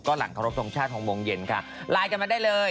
สนับสนุนโดยดีที่สุดคือการให้ไม่สิ้นสุด